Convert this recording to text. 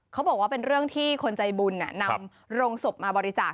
เขาบอกว่าเป็นเรื่องที่คนใจบุญนำโรงศพมาบริจาค